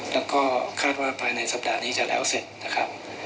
แล้วก็คาดว่าภายในสัปดาห์นี้จะแล้วเสร็จนะครับ